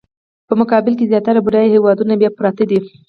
په مقابل کې زیاتره بډایه هېوادونه بیا پراته دي.